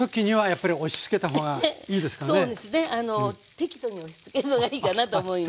適度に押しつけるのがいいかなと思います。